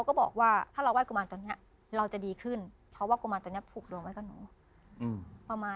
เขาถามนะว่าคุณจะเอามันไปปล่อยใช่ไหมเขาพูดไหมแม่